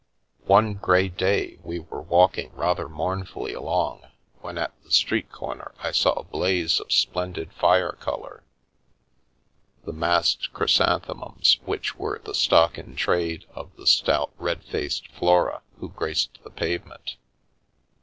One grey day we were walking rather mournfully along when at the street corner I saw a blaze of splendid fire colour — the massed chrysanthemums which were the stock in trade of the stout, red faced Flora who graced the pavement.